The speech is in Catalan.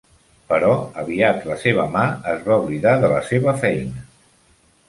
Però aviat la seva mà es va oblidar de la seva feina.